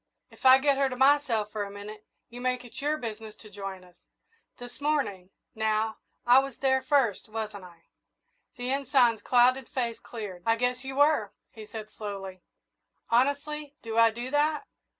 If I get her to myself for a minute, you make it your business to join us. This morning, now, I was there first, wasn't I?" The Ensign's clouded face cleared. "I guess you were," he said slowly; "honestly, do I do that?"